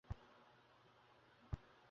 আরে, এটা কী বলছেন।